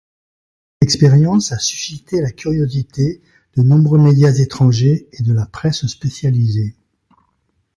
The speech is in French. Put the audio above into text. L'expérience a suscité la curiosité de nombreux médias étrangers et de la presse spécialisée.